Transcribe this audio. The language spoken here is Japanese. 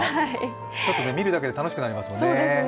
見るだけで楽しくなりますもんね。